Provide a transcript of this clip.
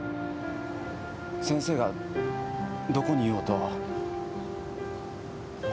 先生がどこにいようと俺。